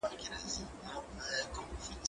زه له سهاره د کتابتوننۍ سره خبري کوم،